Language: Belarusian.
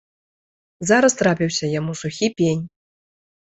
Зараз трапіўся яму сухі пень.